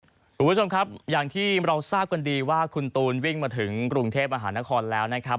คุณผู้ชมครับอย่างที่เราทราบกันดีว่าคุณตูนวิ่งมาถึงกรุงเทพมหานครแล้วนะครับ